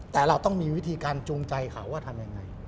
แต่เราต้องมีวิธีการจูงใจเขาว่าทำยังไง